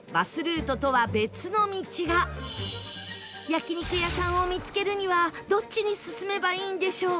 焼肉屋さんを見つけるにはどっちに進めばいいんでしょう